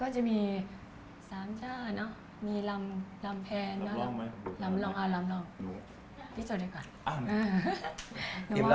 จะมีสามร่างแล้วเดี๋ยวจดดีกว่า